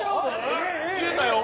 消えたよ。